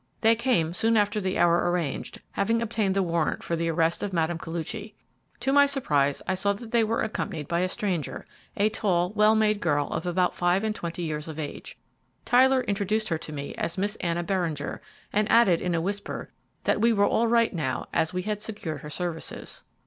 They came soon after the hour arranged, having obtained the warrant for the arrest of Mme. Koluchy. To my surprise I saw that they were accompanied by a stranger, a tall, well made girl of about five and twenty years of age. Tyler introduced her to me as Miss Anna Beringer, and added, in a whisper, that we were all right now, as we had secured her services.